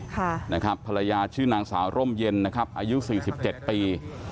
ค่ะนะครับภรรยาชื่อนางสาวร่มเย็นนะครับอายุสี่สิบเจ็ดปี